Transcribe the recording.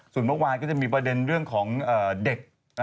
ส่วนเมื่อวานก็จะมีประเด็นเรื่องของเด็ก